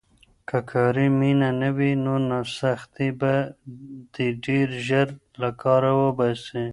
که کاري مینه نه وي، نو سختۍ به دې ډېر ژر له کاره وباسي.